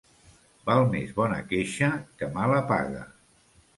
Val més bona queixa que mala paga.